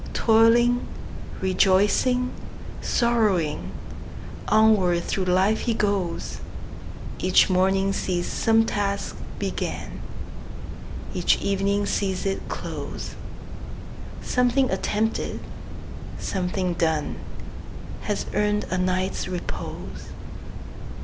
Toiling,—rejoicing,—sorrowing, Onward through life he goes; Each morning sees some task begin, Each evening sees it close; Something attempted, something done. Has earned a night's repose.